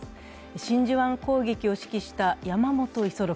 真珠湾攻撃を指揮した山本五十六。